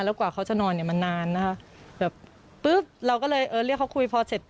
แล้วกว่าเขาจะนอนเนี่ยมันนานนะคะแบบปุ๊บเราก็เลยเออเรียกเขาคุยพอเสร็จ